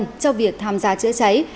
trong việc tham gia chữa cháy